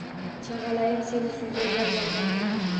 Chagʻalayim, seni suyganlar yolgʻon